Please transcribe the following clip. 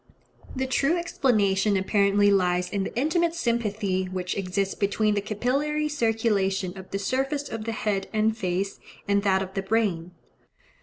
The true explanation apparently lies in the intimate sympathy which exists between the capillary circulation of the surface of the head and face, and that of the brain.